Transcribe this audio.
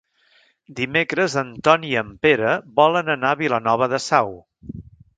Dimecres en Ton i en Pere volen anar a Vilanova de Sau.